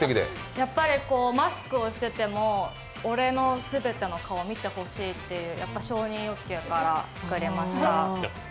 やっぱりマスクをしてても俺の全ての顔を見てほしいという承認欲求から作りました。